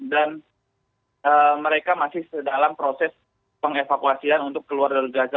dan mereka masih sedalam proses pengevakuasian untuk keluar dari gaza